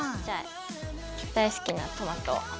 じゃ大好きなトマトを。